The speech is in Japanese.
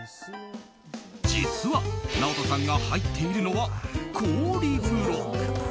実はＮＡＯＴＯさんが入っているのは氷風呂。